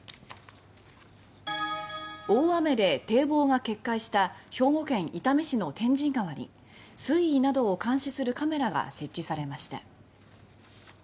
大雨で堤防が決壊した兵庫県伊丹市の天神川に水位などを監視するカメラが設置されました。